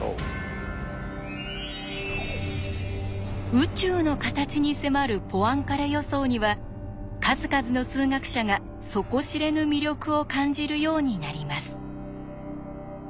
宇宙の形に迫るポアンカレ予想には数々の数学者が底知れぬ魅力を感じるようになります。